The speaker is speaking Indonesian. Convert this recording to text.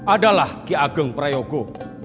adalah kei agang prayogo